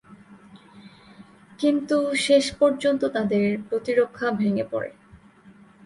কিন্তু শেষ পর্যন্ত তাদের প্রতিরক্ষা ভেঙে পড়ে।